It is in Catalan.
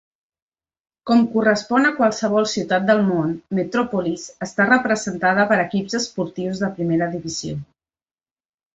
Com correspon a qualsevol ciutat del món, Metropolis està representada per equips esportius de primera divisió.